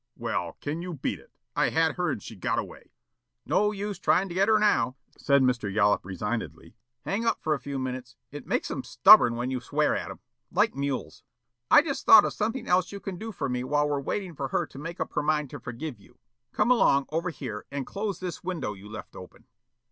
Well, can you beat it? I had her and she got away." "No use trying to get her now," said Mr. Yollop, resignedly. "Hang up for a few minutes. It makes 'em stubborn when you swear at 'em. Like mules. I've just thought of something else you can do for me while we're waiting for her to make up her mind to forgive you. Come along over here and close this window you left open."